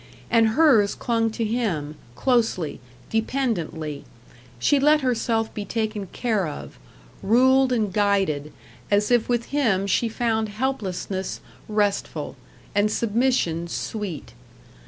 And hers clung to him, closely, dependently; she let herself be taken care of, ruled and guided, as if with him she found helplessness restful and submission sweet.